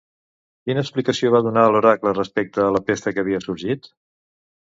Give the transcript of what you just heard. Quina explicació va donar l'oracle respecte a la pesta que havia sorgit?